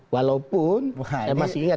walaupun saya masih ingat